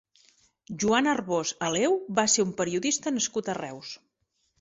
Joan Arbós Aleu va ser un periodista nascut a Reus.